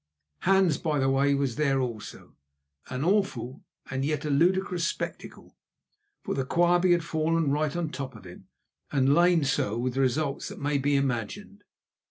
Hans, by the way, was there also, an awful and yet a ludicrous spectacle, for the Quabie had fallen right on the top of him and lain so with results that may be imagined.